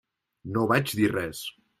No vaig dir res.